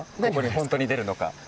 本当に出るのか。